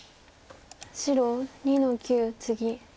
白２の九ツギ。